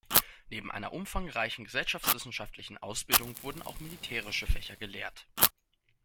Neben einer umfangreichen gesellschaftswissenschaftlichen Ausbildung wurden auch militärische Fächer gelehrt.